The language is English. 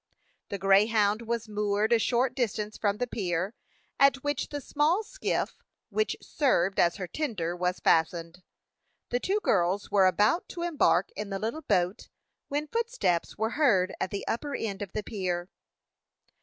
The Greyhound was moored a short distance from the pier, at which the small skiff, which served as her tender, was fastened. The two girls were about to embark in the little boat, when footsteps were heard at the upper end of the pier.